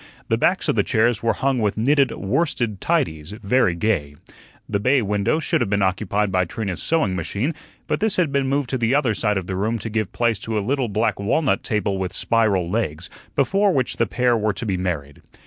The backs of the chairs were hung with knitted worsted tidies, very gay. The bay window should have been occupied by Trina's sewing machine, but this had been moved to the other side of the room to give place to a little black walnut table with spiral legs, before which the pair were to be married.